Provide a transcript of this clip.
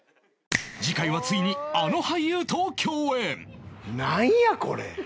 次回はついにあの俳優と共演